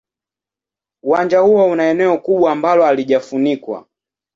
Uwanja huo una eneo kubwa ambalo halijafunikwa.